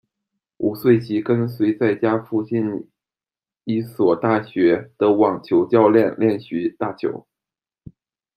五岁起跟随在家附近一所大学的网球教练练习打球。